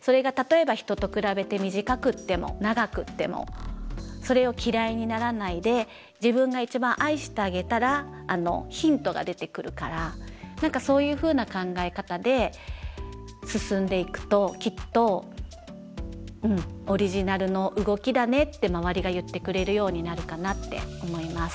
それが例えば人と比べて短くても長くてもそれを嫌いにならないで自分が一番愛してあげたらヒントが出てくるから何かそういうふうな考え方で進んでいくときっとうんオリジナルの動きだねって周りが言ってくれるようになるかなって思います。